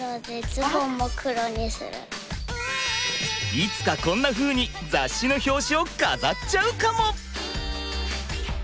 いつかこんなふうに雑誌の表紙を飾っちゃうかも！